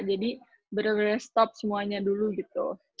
jadi bener bener stop semuanya dulu gitu